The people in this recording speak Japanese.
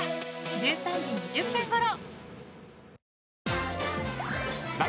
１３時２０分ごろ！